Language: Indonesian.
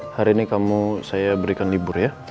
hari ini kamu saya berikan libur ya